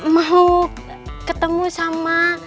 mau ketemu sama